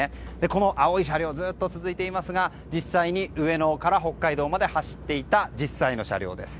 この青い車両ずっと続いていますが実際に上野から北海道まで走っていた実際の車両です。